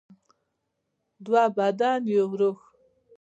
دوه بدن یو روح.